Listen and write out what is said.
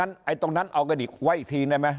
ไอ้ตรงนั้นเอากันอีกไว้อีกทีได้ไหม